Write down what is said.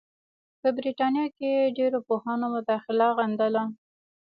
په برټانیه کې ډېرو پوهانو مداخله غندله.